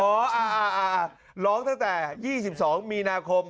อ๋ออ่าอ่าอ่าร้องตั้งแต่๒๒มีนาคม